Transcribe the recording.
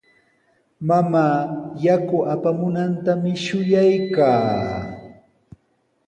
Mamaa yaku apamunantami shuyaykaa.